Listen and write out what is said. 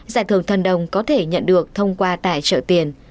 giải thưởng thần đồng có thể nhận được thông qua tài trợ tiền